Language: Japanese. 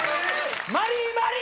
マリーマリー！